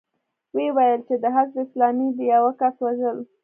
ويې ويل چې د حزب اسلامي د يوه کس وژل.